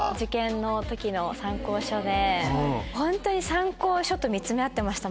参考書と見つめ合ってました